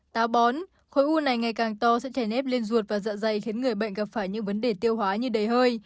táo bón khối u này ngày càng to sẽ chảy nếp lên ruột và dạ dày khiến người bệnh gặp phải những vấn đề tiêu hóa như đầy hơi